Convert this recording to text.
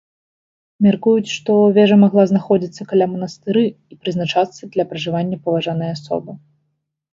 Мяркуюць, што вежа магла знаходзіцца каля манастыры і прызначацца для пражывання паважанай асобы.